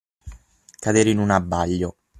Cadere in un abbaglio.